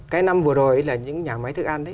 cái năm vừa rồi là những nhà máy thức ăn